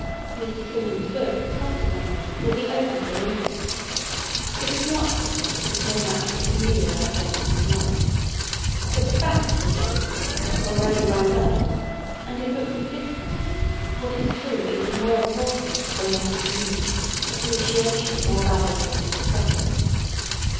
Mr. Symonds' book, consequently, will be opened with interest. It does not, of course, contain much that is new about Jonson's life. But the facts of Jonson's life are already well known, and in books of this kind what is true is of more importance than what is new, appreciation more valuable than discovery.